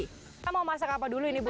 kita mau masak apa dulu ini bu